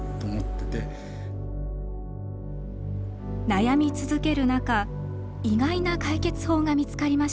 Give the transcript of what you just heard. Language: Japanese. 悩み続ける中意外な解決法が見つかりました。